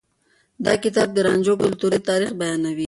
دا کتاب د رانجو کلتوري تاريخ بيانوي.